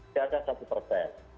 sejajar satu persen